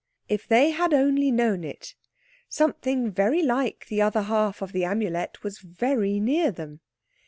If they had only known it, something very like the other half of the Amulet was very near them.